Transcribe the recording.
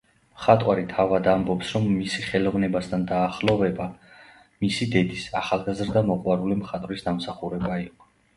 მხატვარი თავად ამბობს, რომ მისი ხელოვნებასთან დაახლოვება მისი დედის, ახალგაზრდა მოყვარული მხატვრის დამსახურება იყო.